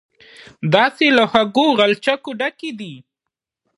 داسې له خوږو غلچکو ډکې دي.